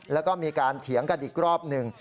แล้วก็มีการเถียงกันอีกรอบหนึ่ง